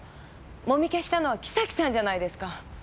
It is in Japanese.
もみ消したのは木崎さんじゃないですか。